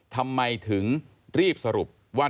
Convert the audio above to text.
ทำไมถึงรีบสรุปว่า